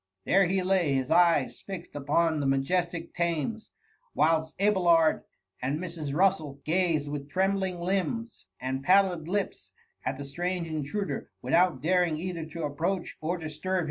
There he lay, his eyes fixed upon the majestic Thames, whilst Abelard and Mrs. Russd gazed with trembling limbs and pallid lips at the strange intruder, without daring either to approach or disturb him.